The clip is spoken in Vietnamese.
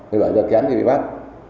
một mươi bảy h kém thì bị bắt